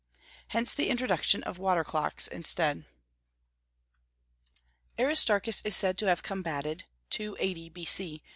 Hence the introduction of water clocks instead. Aristarchus is said to have combated (280 B.C.)